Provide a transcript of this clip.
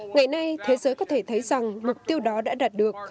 ngày nay thế giới có thể thấy rằng mục tiêu đó đã đạt được